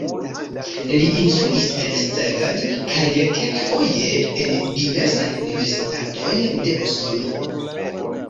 Li instruis en Szeged kaj kelkfoje en diversaj universitatoj de Usono.